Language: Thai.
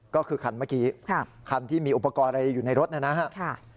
ก็คือคันเมื่อกี้คันที่มีอุปกรณ์อะไรอยู่ในรถนะครับ